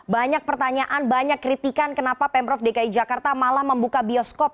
banyak pertanyaan banyak kritikan kenapa pemprov dki jakarta malah membuka bioskop